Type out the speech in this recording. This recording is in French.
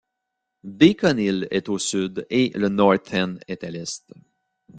Beacon Hill est au sud, et le North End est à l'est.